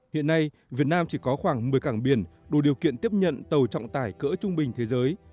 hiện nay việt nam chỉ có khoảng một mươi cảng biển đủ điều kiện tiếp nhận tàu trọng tải cỡ trung bình thế giới